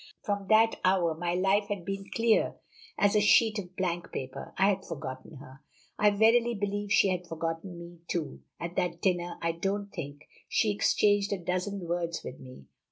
From that hour my life had been clear as a sheet of blank paper. I had forgotten her; I verily believe she had forgotten me, too. At that dinner I don't think she exchanged a dozen words with me.